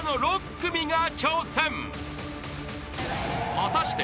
［果たして］